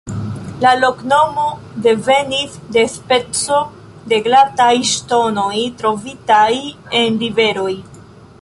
La loknomo devenis de speco de glataj ŝtonoj trovitaj en riveroj.